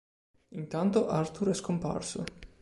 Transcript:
Intanto Arthur è scomparso.